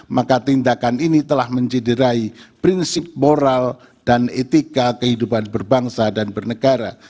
maka tindakan ini telah mencederai prinsip moral dan etika kehidupan berbangsa dan bernegara